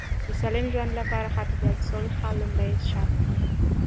د سالم ژوند لپاره حفظ الصحه لومړی شرط دی.